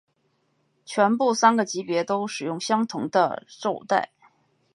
全部三个级别都使用相同的绶带。